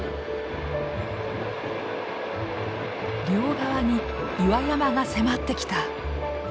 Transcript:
両側に岩山が迫ってきた。